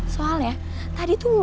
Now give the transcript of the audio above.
bakal ada yang ditangguh